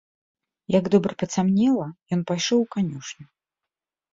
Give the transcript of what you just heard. Як добра пацямнела, ён пайшоў у канюшню.